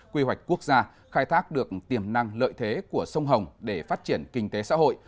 quy hoạch quốc gia khai thác được tiềm năng lợi thế của sông hồng để phát triển kinh tế xã hội